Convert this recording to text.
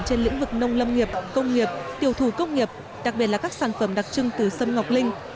trên lĩnh vực nông lâm nghiệp công nghiệp tiểu thủ công nghiệp đặc biệt là các sản phẩm đặc trưng từ sâm ngọc linh